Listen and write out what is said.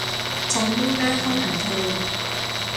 ฉันมุ่งหน้าเข้าหาเธอ